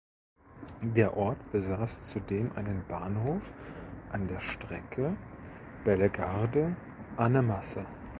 Der Ort besaß zudem einen Bahnhof an der Strecke Bellegarde–Annemasse.